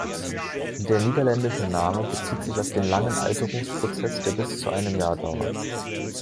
Der niederländische Name bezieht sich auf den langen Alterungsprozess, der bis zu einem Jahr dauert.